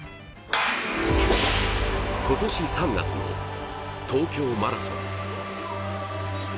今年３月、東京マラソン。